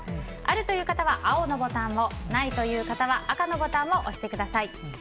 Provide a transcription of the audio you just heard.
あるという方は青のボタンをないという方は赤のボタンを押してください。